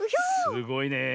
すごいねえ。